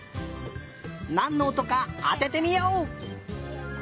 なんのおとかあててみよう！